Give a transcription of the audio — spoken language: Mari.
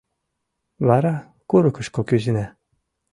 Вара курыкышко кӱзена.